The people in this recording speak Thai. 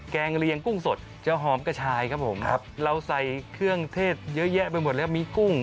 งเรียงกุ้งสดจะหอมกระชายครับผมครับเราใส่เครื่องเทศเยอะแยะไปหมดแล้วมีกุ้ง